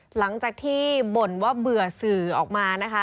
หลังจากที่บ่นว่าเบื่อสื่อออกมานะคะ